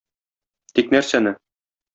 Тик нәрсәне?